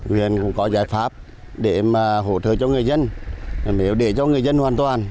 huyện cũng có giải pháp để hỗ trợ cho người dân để cho người dân hoàn toàn